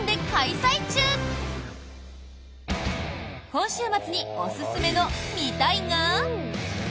今週末におすすめの「見たい！」が。